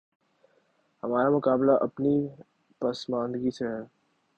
ہمارا مقابلہ اپنی پسماندگی سے ہے۔